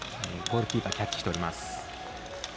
ゴールキーパーキャッチしております。